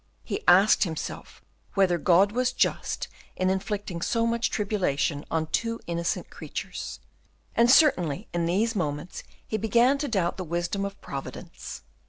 He asked himself whether God was just in inflicting so much tribulation on two innocent creatures. And certainly in these moments he began to doubt the wisdom of Providence.